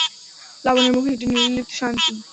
লাবণ্যর মুখে একটি নির্লিপ্ত শান্তি।